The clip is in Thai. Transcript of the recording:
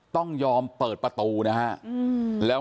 ต้องยอมเปิดปะตู้นะครับ